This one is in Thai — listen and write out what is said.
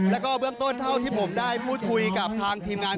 แล้วก็เบื้องต้นเท่าที่ผมได้พูดคุยกับทางทีมงาน